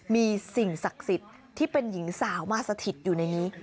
มีสิ่งศักดิ์สิทธิ์ที่เป็นหญิงสาวมาสถิตอยู่ในนี้